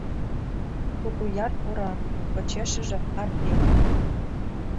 Кугуяр пура, почешыже — Арпик.